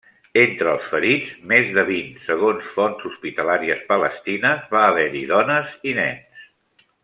Entre els ferits, més de vint segons fonts hospitalàries palestines, va haver-hi dones i nens.